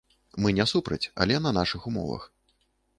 Мы не супраць, але на нашых умовах.